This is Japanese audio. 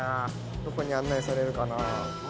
どこに案内されるかな？